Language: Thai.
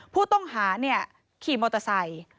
ผู้ต้องหาขี่มอเตอร์ไซค์